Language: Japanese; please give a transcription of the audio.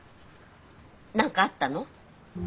何かあったの？